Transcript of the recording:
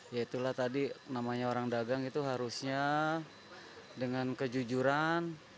ya itulah tadi namanya orang dagang itu harusnya dengan kejujuran